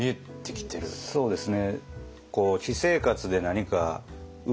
そうですね